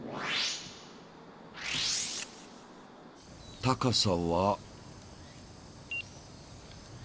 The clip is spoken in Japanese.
高さは。